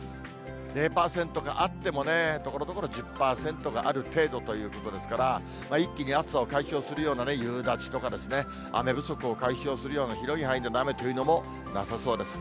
０％か、あってもね、ところどころ１０％がある程度ということですから、一気に暑さを解消するような、夕立とかですね、雨不足を解消するような広い範囲での雨というのもなさそうです。